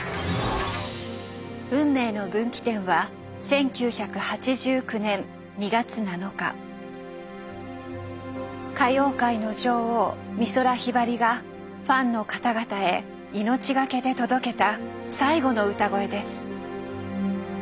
運命の分岐点は歌謡界の女王美空ひばりがファンの方々へ命懸けで届けた最後の歌声です。